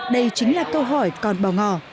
đây chính là câu hỏi còn bò ngò